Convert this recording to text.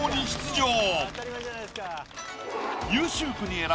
出場！